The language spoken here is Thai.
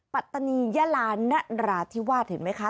ปัตตานียาลานราธิวาสเห็นไหมคะ